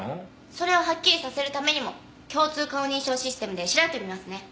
それをはっきりさせるためにも共通顔認証システムで調べてみますね。